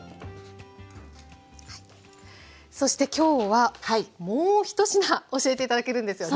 そしてきょうはもう一品教えて頂けるんですよね？